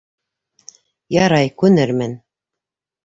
— Ярай, күнермен.